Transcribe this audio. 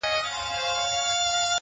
هره پرېکړه پایله زېږوي